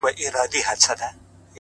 • له سهاره تر ماښامه په غیبت وي ,